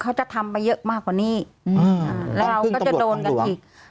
เขาจะทำไปเยอะมากกว่านี้แล้วเราก็จะโดนกันอีก